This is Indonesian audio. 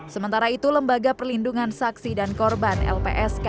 sementara itu lembaga perlindungan saksi dan korban lpsk